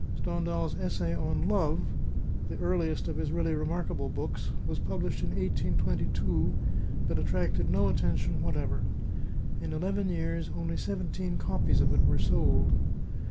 Stendhal's essay on " Love," the earliest of his really remarkable books, was pub lished in 1822, but attracted no attention whatever; in eleven years only seventeen copies of it were sold.